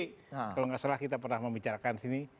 kalau nggak salah kita pernah membicarakan sini